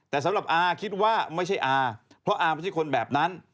แต่สำหรับอาคิดว่าไม่ใช่อาเพราะอาไม่ใช่คนแบบนั้น